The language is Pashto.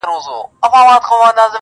تاته د مجنون او د لیلی ژړا یادیږي